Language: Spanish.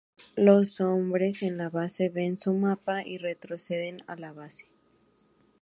Los hombres en la base ven su mapa y retroceden a la base.